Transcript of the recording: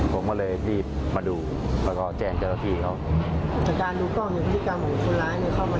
ผมก็เลยรีบมาดูแล้วก็แจ้งเจ้าที่เขา